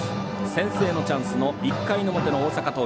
先制のチャンスの１回表の大阪桐蔭。